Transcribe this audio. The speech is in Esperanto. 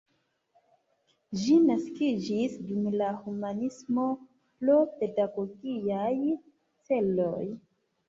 Ĝi naskiĝis dum la humanismo pro pedagogiaj celoj.